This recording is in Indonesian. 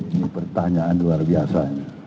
ini pertanyaan luar biasa